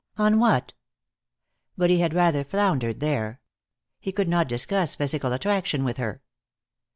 "On what?" But he had rather floundered there. He could not discuss physical attraction with her.